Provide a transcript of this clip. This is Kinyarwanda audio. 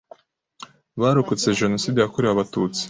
barokotse Jenoside yakorewe Abatutsi